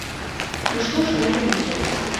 І што ж гэта выходзіць?